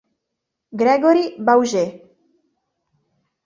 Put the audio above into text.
Grégory Baugé